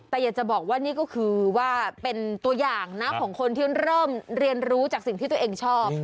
แต่อยากจะบอกว่านี่ก็คือว่าเป็นตัวอย่างนะของคนที่เริ่มเรียนรู้จากสิ่งที่ตัวเองชอบ